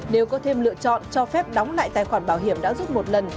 nếu có thêm lựa chọn cho phép đóng lại tài khoản bảo hiểm đã rút một lần